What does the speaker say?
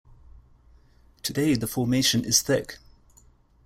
Today the formation is thick.